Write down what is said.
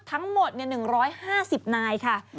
ทั้งหมดเนี่ย๑๕๐นายค่ะ